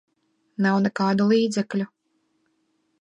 Nav nekādu līdzekļu.